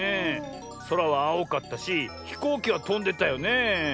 そらはあおかったしひこうきはとんでたよねえ。